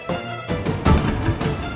tapi aku kan mau pulang